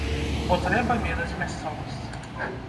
Бо трэба ведаць мясцовасць.